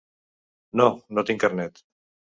No, no tinc carnet.